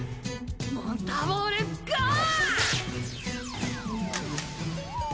モンスターボールゴー！